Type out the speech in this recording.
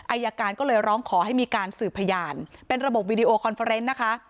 อายการก็เลยร้องขอให้มีการสืบพยานเป็นระบบวีดีโอคอนเฟอร์เนสนะคะ